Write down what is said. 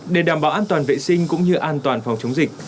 để đảm bảo an toàn vệ sinh cũng như an toàn phòng chống dịch